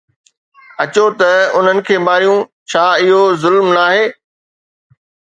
اچو ته انهن کي ماريون، ڇا اهو ظلم ناهي؟